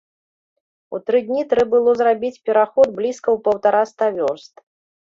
У тры дні трэ было зрабіць пераход блізка ў паўтараста вёрст.